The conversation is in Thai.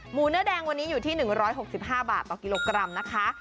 เนื้อแดงวันนี้อยู่ที่๑๖๕บาทต่อกิโลกรัมนะคะ